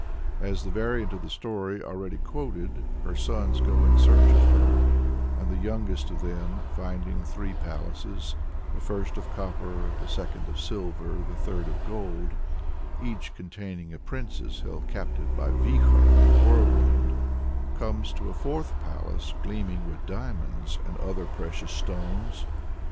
As in the variant of the story already quoted, her sons go in search of her, and the youngest of them, after finding three palaces the first of copper, the second of silver, the third of gold, each containing a princess held captive by Vikhor, the whirlwind comes to a fourth palace gleaming with diamonds and other precious stones.